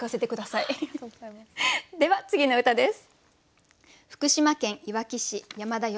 では次の歌です。